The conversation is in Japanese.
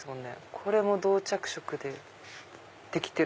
これも銅着色でできてる。